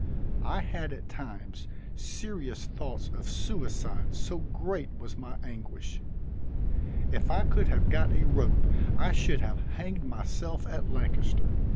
I had at times serious thoughts of suicide so great was my anguish. If I could have got a rope I should have hanged myself at Lancaster.